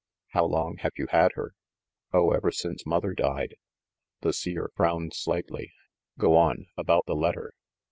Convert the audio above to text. "How long have you had her ?" "Oh, ever since mother died." The Seer frowned slightly. "Go on, — about the let ter."